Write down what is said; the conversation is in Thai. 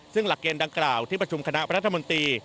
ซึ่งหลักเกณฑ์ดังกล่าวที่ประชุมคณะรัฐมนตรี